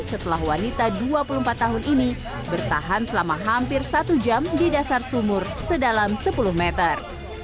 setelah wanita dua puluh empat tahun ini bertahan selama hampir satu jam di dasar sumur sedalam sepuluh meter